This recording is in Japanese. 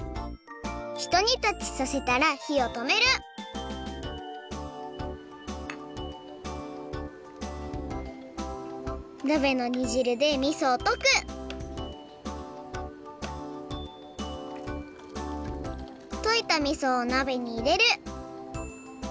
ひとにたちさせたらひをとめるなべのにじるでみそをとくといたみそをなべにいれる。